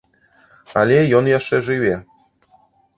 Але ён яшчэ жыве.